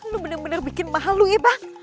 lu bener bener bikin malu ya bang